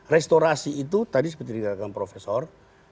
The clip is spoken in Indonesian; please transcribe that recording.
restorasi itu tadi seperti dikatakan profesor